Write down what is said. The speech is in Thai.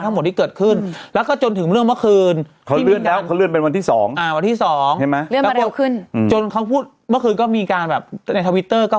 มันเห็นตรงไหนวะมันเห็นเป็นอะไรวะ